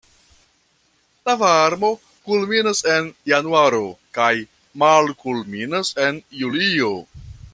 La varmo kulminas en januaro kaj malkulminas en julio.